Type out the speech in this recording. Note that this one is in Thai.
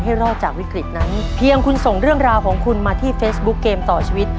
ให้รอดจากวิกฤตนั้นเพียงคุณส่งเรื่องราวของคุณมาที่เฟซบุ๊คเกมต่อชีวิต